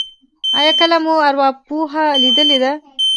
ایا کله مو ارواپوه لیدلی دی؟